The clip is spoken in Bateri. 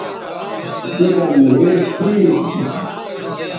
تے کن مھیݜ تھی